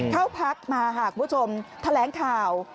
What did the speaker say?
เข้าพักมาหากผู้ชมแถลงข่าว